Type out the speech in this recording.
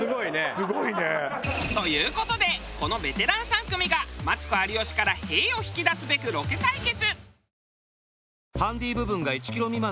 すごいね。という事でこのベテラン３組がマツコ有吉から「へぇ」を引き出すべくロケ対決。